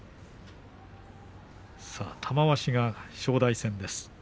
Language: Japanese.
玉鷲が正代戦です。